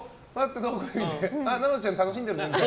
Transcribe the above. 奈緒ちゃん、楽しんでるねって。